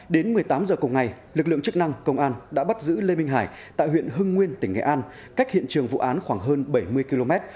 đến một mươi tám h cùng ngày lực lượng chức năng công an đã bắt giữ lê minh hải tại huyện hưng nguyên tỉnh nghệ an cách hiện trường vụ án khoảng hơn bảy mươi km